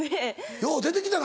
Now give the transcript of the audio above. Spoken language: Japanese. よう出て来たな